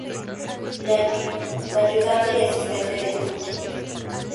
La ayudante y asistente de Cookie.